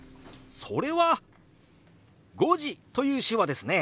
それは「５時」という手話ですね。